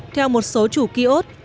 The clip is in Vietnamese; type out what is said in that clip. theo một số chủ ký ốt